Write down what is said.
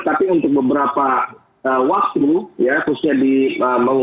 tapi untuk beberapa waktu ya khususnya di apa memasuki tahun sebuah pelaksanaan pemilu